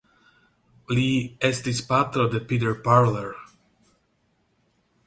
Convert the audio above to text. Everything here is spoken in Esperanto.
Li estis patro de Peter Parler.